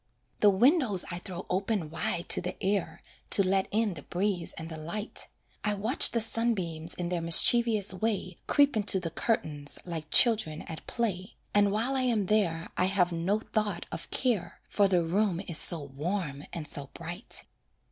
The windows I throw open wide to the air To let in the breeze and the light; I watch the sunbeams in their mischievous way Creep into the curtains, like children at play, And while I am there I have no thought of care, For the room is so warm and so bright.